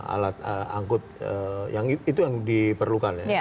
alat angkut itu yang diperlukan ya